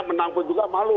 menang pun juga malu